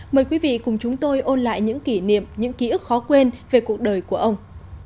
mời quý vị cùng chúng tôi ôn lại những kỷ niệm những ký ức khó quên về cuộc đời của ông